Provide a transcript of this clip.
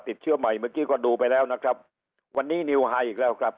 ติดเชื้อใหม่เมื่อกี้ก็ดูไปแล้วนะครับวันนี้นิวไฮอีกแล้วครับ